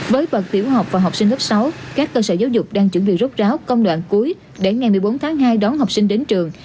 với bậc tiểu học và học sinh lớp sáu các cơ sở giáo dục đang chuẩn bị rút ráo công đoạn cuối để ngày một mươi bốn tháng hai đón học sinh đến trường